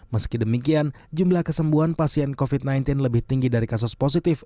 meski demikian jumlah kesembuhan pasien covid sembilan belas lebih tinggi dari kasus positif